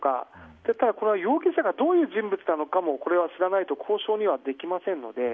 そして、容疑者がどういう人物か知らないと交渉にはできませんので。